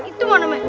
itu mana mek